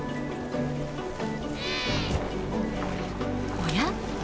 おや？